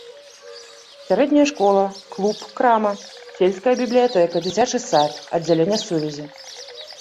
Сярэдняя школа, клуб, крама, сельская бібліятэка, дзіцячы сад, аддзяленне сувязі.